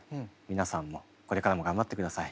皆さんもこれからも頑張ってください。